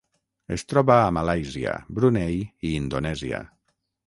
Es troba a Malàisia, Brunei i Indonèsia.